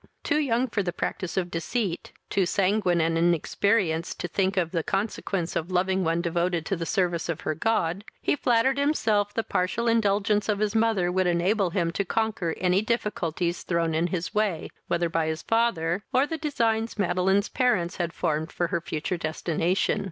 Too young for the practice of deceit, too sanguine and inexperienced to think of the consequence of loving one devoted to the service of her God, he flattered himself the partial indulgence of his mother would enable him to conquer any difficulties thrown in his way, wither by his father, or the designs Madeline's parents had formed for her future destination.